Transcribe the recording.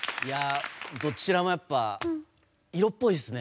どちらも色っぽいですね。